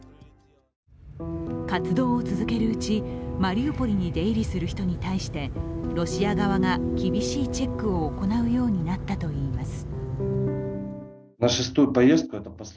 活動を続けるうち、マリウポリに出入りする人に対してロシア側が厳しいチェックを行うようになったといいます。